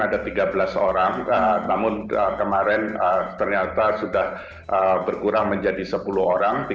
ada tiga belas orang namun kemarin ternyata sudah berkurang menjadi sepuluh orang